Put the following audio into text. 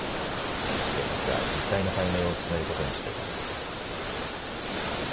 警察は実態の解明を進めることにしています。